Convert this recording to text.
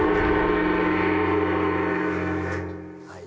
はい。